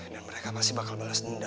dan mereka pasti bakal balas dendam